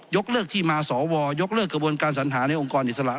กเลิกที่มาสวยกเลิกกระบวนการสัญหาในองค์กรอิสระ